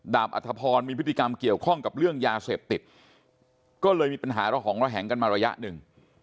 อัธพรมีพฤติกรรมเกี่ยวข้องกับเรื่องยาเสพติดก็เลยมีปัญหาระหองระแหงกันมาระยะหนึ่ง